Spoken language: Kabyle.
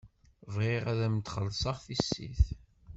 Bɣiɣ ad m-xellṣeɣ tissit.